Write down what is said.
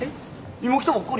今来たばっかりやん。